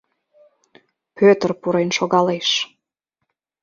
Пӧтыр пурен шогалеш.